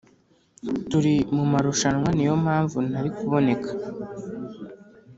Turi mumarushanwa niyo mpamvu ntari kuboneka